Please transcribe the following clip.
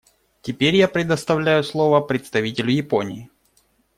Теперь я предоставляю слово представителю Японии.